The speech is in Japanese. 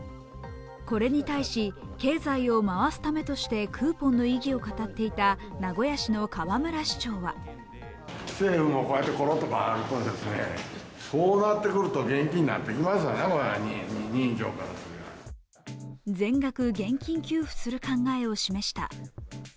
これに対し経済を回すためとしてクーポンの意義を語っていた名古屋市の河村市長は全額現金給付する考えを示した。